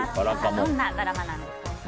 どんなドラマなんでしょうか。